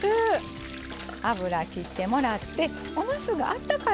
油きってもらっておなすがあったかい